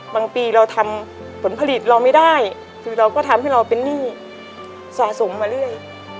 บางทีเราทำผลผลิตเราไม่ได้คือเราก็ทำให้เราเป็นหนี้สะสมมาเรื่อย